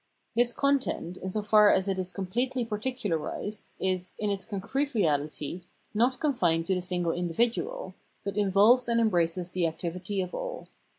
This content, in so far as it is com pletely particiiiarised, is, in its concrete reahty, not confined to the single individual, but involves and embraces the activity of all.